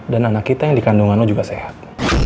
dan anak kita yang dikandungan lo juga sehat